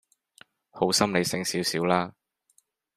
好心你醒少少啦